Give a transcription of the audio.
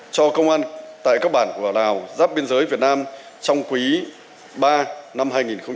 cho công an tại các bản của lào giáp biên giới việt nam trong quý ba năm hai nghìn hai mươi ba